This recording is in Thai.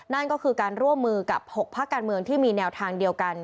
นั่นก็คือการร่วมมือกับ๖พักการเมืองที่มีแนวทางเดียวกัน